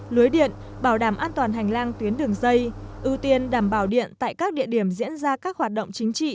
lưới điện bảo đảm an toàn hành lang tuyến đường dây ưu tiên đảm bảo điện tại các địa điểm diễn ra các hoạt động chính trị